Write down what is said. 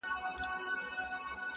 o هم خر له کوره، هم خربه له کوره٫